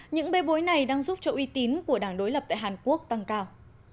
những bê bối này đang giúp cho uy tín của đảng đối lập tại hàn quốc tăng cao